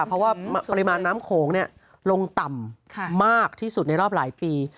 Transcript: เพราะว่าปริมาณน้ำโขงลงต่ำมากที่สุดในรอบหลายปี